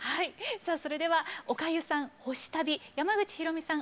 さあそれではおかゆさん「星旅」山口ひろみさん